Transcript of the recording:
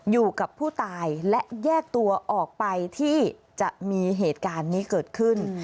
อยู่กับผู้ตายและแยกตัวออกไปที่จะมีเหตุการณ์นี้เกิดขึ้น